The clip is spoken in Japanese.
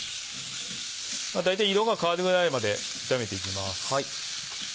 大体色が変わるぐらいまで炒めていきます。